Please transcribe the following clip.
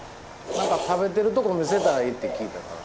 何か食べてるとこ見せたらいいって聞いたから。